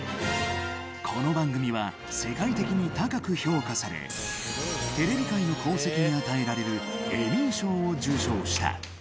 この番組は世界的に高く評価されテレビ界の功績に与えられるエミー賞を受賞した。